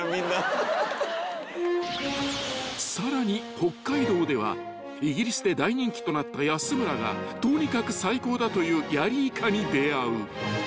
［さらに北海道ではイギリスで大人気となった安村がとにかく最高だというヤリイカに出合う］